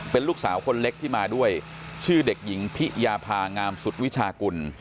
เป็นลูกสาวคนเล็กที่มาด้วยชื่อเด็กหญิงพิยาพางามสุดวิชากุล